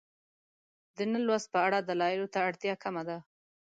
د نه لوست په اړه دلایلو ته اړتیا کمه ده.